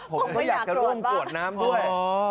ผมไม่อยากกรวดบ้างผมอยากจะร่วมกรวดน้ำด้วย